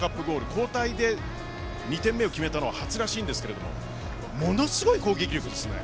交代で２点目を決めたのは初らしいんですけれどもものすごい攻撃力ですよね。